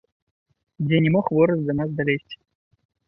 Дзе не мог вораг да нас далезці.